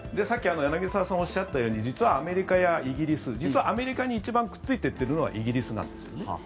さっき柳澤さんがおっしゃったように実はアメリカやイギリス実はアメリカに一番くっついていっているのはイギリスなんですよね。